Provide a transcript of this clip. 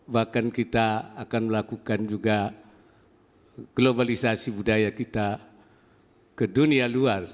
bahkan kita akan melakukan juga globalisasi budaya kita ke dunia luar